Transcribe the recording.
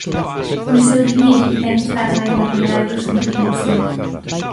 Pois eu diríalle que ten que estar máis na realidade dos centros de ensino.